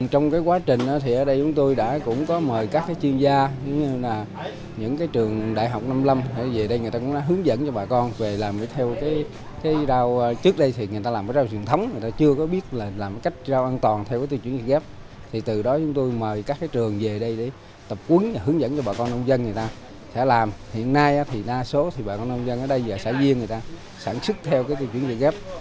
hiện nay đa số bà con nông dân ở đây và xã duyên sản xuất theo chuyên sản xuất rau vịt gáp